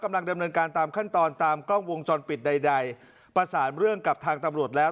กำลังดำเนินการตามขั้นตอนตามกล้องวงจรปิดใดใดประสานเรื่องกับทางตำรวจแล้ว